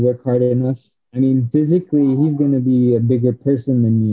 maksudnya secara fisik dia akan menjadi orang yang lebih besar dari aku